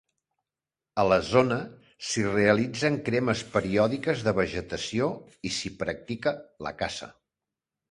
A la zona s'hi realitzen cremes periòdiques de vegetació i s'hi practica la caça.